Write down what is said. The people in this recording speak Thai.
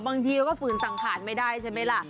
บางทีเขาก็ฝืนสังขารไม่ได้ใช่ไหมล่ะ